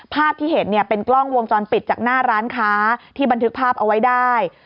ภาพที่เห็นเนี่ยเป็นกล้องวงจรปิดจากหน้าร้านค้าที่บันทึกภาพเอาไว้ได้